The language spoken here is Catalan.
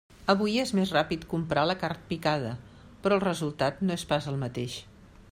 Avui és més ràpid comprar la carn picada, però el resultat no és pas el mateix.